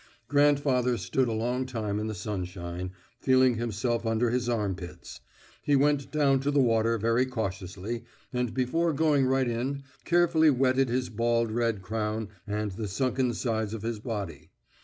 Grandfather stood a long time in the sunshine, feeling himself under his armpits. He went down to the water very cautiously, and before going right in, carefully wetted his bald red crown and the sunken sides of his body.